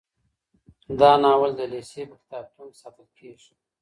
دا ناول د لېسې په کتابتون کي ساتل کیږي.